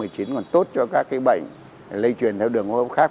còn tốt cho các cái bệnh lây truyền theo đường góp khác